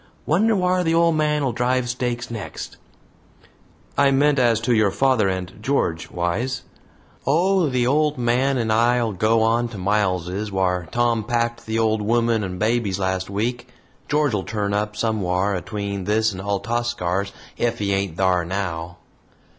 Wonder whar the ole man'll drive stakes next." "I meant as to your father and George, Wise." "Oh, the old man and I'll go on to 'Miles's,' whar Tom packed the old woman and babies last week. George'll turn up somewhar atween this and Altascar's ef he ain't thar now."